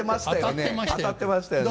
当たってましたよね。